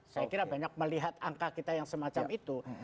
saya kira banyak melihat angka kita yang semacam itu